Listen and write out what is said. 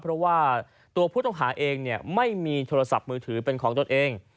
เพราะว่าตัวผู้ต้องหาเองไม่มีโทรศัพท์มือถือเป็นของตนเอง